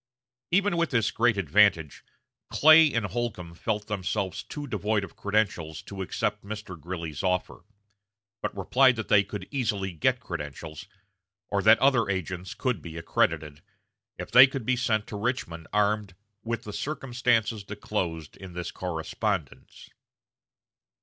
Even with this great advantage, Clay and Holcombe felt themselves too devoid of credentials to accept Mr. Greeley's offer, but replied that they could easily get credentials, or that other agents could be accredited, if they could be sent to Richmond armed with "the circumstances disclosed in this correspondence."